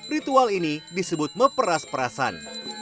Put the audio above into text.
ritual ini disebut memperas perasan